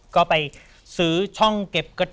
ก็ไปซื้อช่องเก็บกระดูก